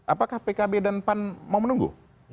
apakah pkb dan pan mau menunggu